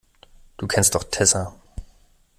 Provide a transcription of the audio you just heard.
Du kennst doch Tessa.